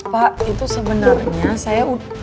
pak itu sebenernya saya udah